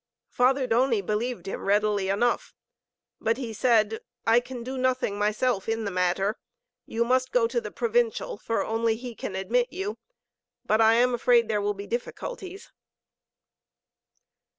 Father Doni believed him readily enough, but he said: "I can do nothing myself in the matter. You must go to the Provincial, for only he can admit you. But I am afraid there will be difficulties."